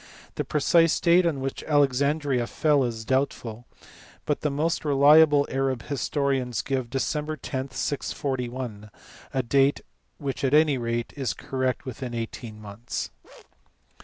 The precise date on which Alexandria fell is doubtful but the most reliable Arab historians give Dec. 10, 641 a date which at any rate is correct within eighteen months.